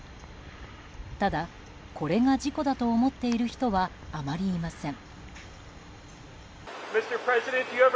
ただ、これが事故だと思っている人はあまりいません。